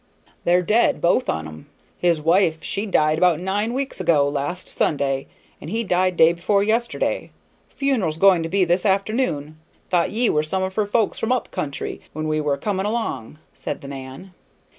"They're dead, both on 'em. His wife she died about nine weeks ago last Sunday, and he died day before yesterday. Funeral's going to be this afternoon. Thought ye were some of her folks from up country, when we were coming along," said the man.